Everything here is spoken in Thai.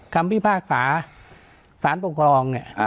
คำพิพากษาศาลปกรองเนี่ย